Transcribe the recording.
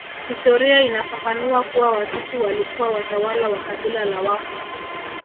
Historia inafafanua kuwa Watusi walikuwa watawala wa kabila la Waha